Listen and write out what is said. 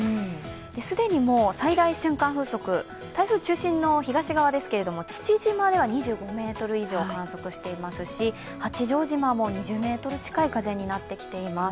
既にもう、最大瞬間風速台風中心の東側ですけれども父島では２５メートル以上観測していますし、八丈島も２０メートル近い風になってきています。